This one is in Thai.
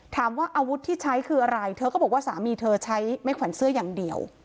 อาวุธที่ใช้คืออะไรเธอก็บอกว่าสามีเธอใช้ไม่แขวนเสื้ออย่างเดียว